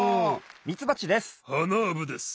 ミツバチです。